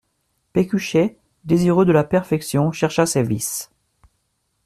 Pécuchet, désireux de la perfection, chercha ses vices.